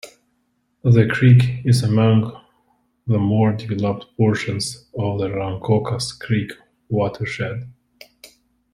The creek is among the more developed portions of the Rancocas Creek watershed.